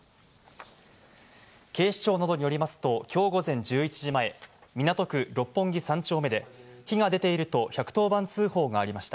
警視庁などによりますと今日午前１１時前、港区六本木３丁目で火が出ていると１１０番通報がありました。